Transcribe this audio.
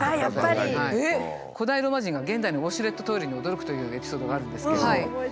古代ローマ人が現代のウォシュレットトイレに驚くというエピソードがあるんですけれども。